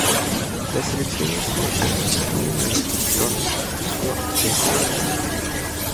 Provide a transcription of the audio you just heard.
Las secciones de A tienen el tono de C menor.